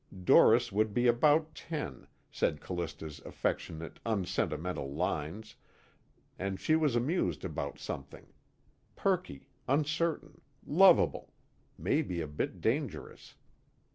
Doris would be about ten, said Callista's affectionate unsentimental lines, and she was amused about something: perky, uncertain, lovable, maybe a bit dangerous.